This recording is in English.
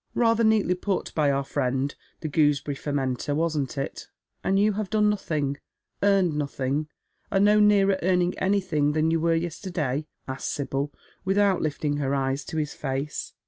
Rather neatly put by our friend the gooseberiy f ermenter, wasn't it ?"" And you have done nothing, earned nothing, are no nearer earning anything than you were yesterday ?" asks Sibyl, without lifting her eyes to his face.